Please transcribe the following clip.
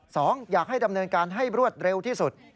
อยากให้ดำเนินการให้รวดเร็วที่สุด